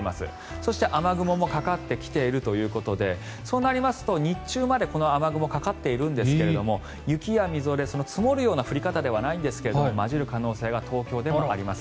そして、雨雲もかかってきているということでそうなりますと、日中までこの雨雲かかっているんですが雪やみぞれ、積もるような降り方ではないんですが交じる可能性が東京でもあります。